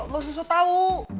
lu susah tau